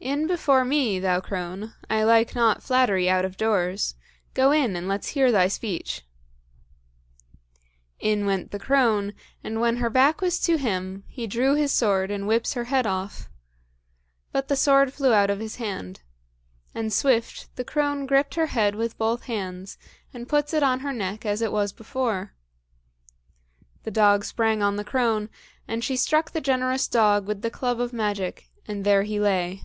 "In before me, thou crone; I like not flattery out of doors; go in and let's hear thy speech." In went the crone, and when her back was to him he drew his sword and whips her head off; but the sword flew out of his hand. And swift the crone gripped her head with both hands, and puts it on her neck as it was before. The dog sprang on the crone, and she struck the generous dog with the club of magic; and there he lay.